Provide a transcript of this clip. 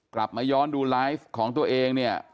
กลับมาย้อนดูไลฟ์ของตัวเองเนี่ย